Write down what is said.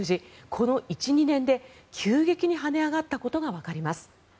この１２年で急激に跳ね上がったことがわかります。